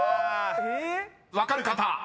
［分かる方］